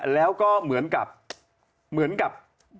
แล้วก็เหมือนกับ